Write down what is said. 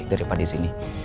daripada di sini